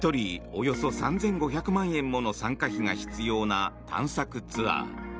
およそ３５００万円もの参加費が必要な探索ツアー。